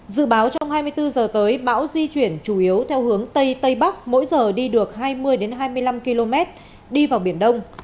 dự báo trong hai mươi bốn h tới bão di chuyển chủ yếu theo hướng tây tây bắc mỗi giờ đi được hai mươi hai mươi năm km đi vào biển đông